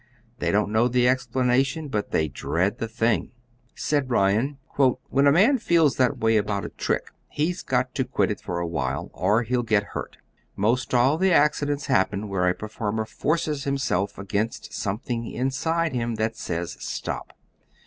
They don't know the explanation, but they dread the thing. "When a man feels that way about a trick, he's got to quit it for a while," said Ryan, "or he'll get hurt. 'Most all the accidents happen where a performer forces himself against something inside him that says stop.